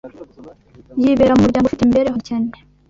yibera mu muryango ufite imibereho ya gikene